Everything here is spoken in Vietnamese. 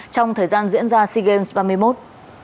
trong thời gian diễn ra sea games ba mươi một